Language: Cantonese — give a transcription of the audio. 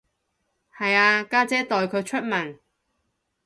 係啊，家姐代佢出文